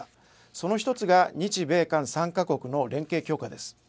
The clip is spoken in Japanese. その１つが日米韓３か国の連携強化です。